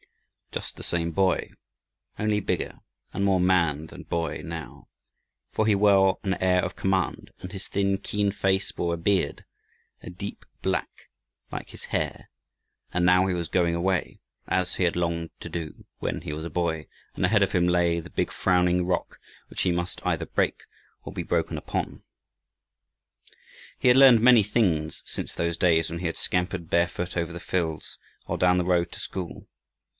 Just the same boy, only bigger, and more man than boy now, for he wore an air of command and his thin keen face bore a beard, a deep black, like his hair. And now he was going away, as he had longed to go, when he was a boy, and ahead of him lay the big frowning rock, which he must either break or be broken upon. He had learned many things since those days when he had scampered barefoot over the fields, or down the road to school.